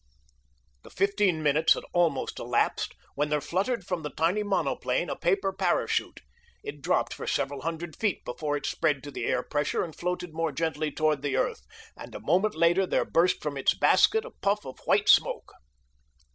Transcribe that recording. The fifteen minutes had almost elapsed when there fluttered from the tiny monoplane a paper parachute. It dropped for several hundred feet before it spread to the air pressure and floated more gently toward the earth and a moment later there burst from its basket a puff of white smoke.